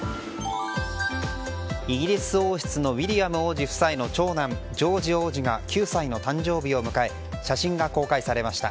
イギリス王室のウィリアム王子夫妻の長男ジョージ王子が９歳の誕生日を迎え写真が公開されました。